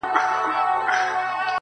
یو په یو مي د مرګي غېږ ته لېږلي!.